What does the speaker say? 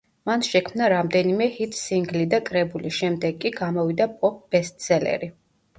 მან შექმნა რამდენიმე ჰიტ-სინგლი და კრებული, შემდეგ კი გამოვიდა პოპ-ბესტსელერი.